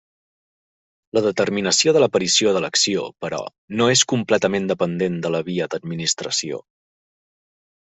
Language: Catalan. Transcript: La determinació de l'aparició de l'acció, però, no és completament dependent de la via d'administració.